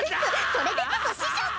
それでこそ師匠っス！